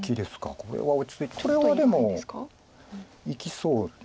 これはでも生きそうです。